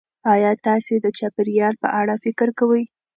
ایا تاسې د چاپیریال په اړه فکر کوئ؟